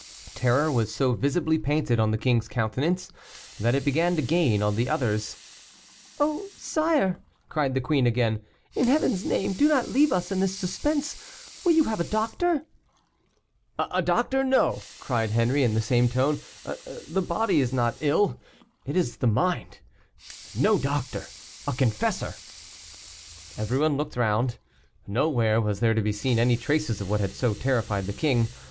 Terror was so visibly painted on the king's countenance, that it began to gain on the others. "Oh, sire!" cried the queen again, "in Heaven's name do not leave us in this suspense. Will you have a doctor?" "A doctor, no," cried Henri, in the same tone, "the body is not ill, it is the mind; no doctor a confessor." Everyone looked round; nowhere was there to be seen any traces of what had so terrified the king.